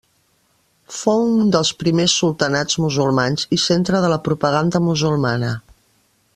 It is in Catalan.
Fou un dels primers sultanats musulmans i centre de la propaganda musulmana.